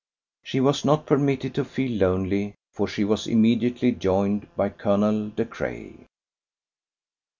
She was not permitted to feel lonely, for she was immediately joined by Colonel De Craye.